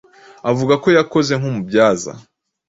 uvuga ko yakoze nk'umubyaza